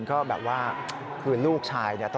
โอ้โห